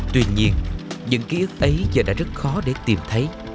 tuy nhiên những ký ức ấy giờ đã rất khó để tìm thấy